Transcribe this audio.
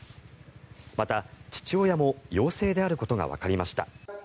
また、父親も陽性であることがわかりました。